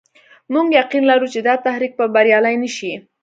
موږ يقين لرو چې دا تحریک به بریالی نه شي.